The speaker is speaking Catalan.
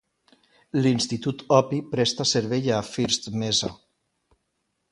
L'institut Hopi presta servei a First Mesa.